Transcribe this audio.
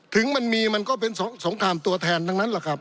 ถึงมันมีมันก็เป็นสงครามตัวแทนทั้งนั้น